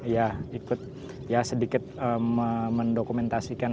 ya ikut sedikit mendokumentasikan